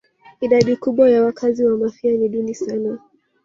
Idadi kubwa ya wakazi wa Mafia ni duni sana